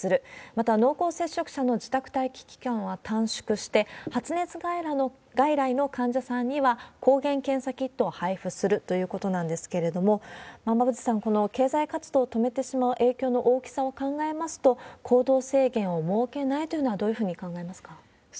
また、濃厚接触者の自宅待機期間は短縮して、発熱外来の患者さんには、抗原検査キットを配布するということなんですけれども、馬渕さん、この経済活動を止めてしまう影響の大きさを考えますと、行動制限を設けないというのは、どういうふうに考えますか？